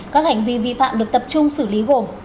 các hành vi vi phạm được tập trung xử lý gồm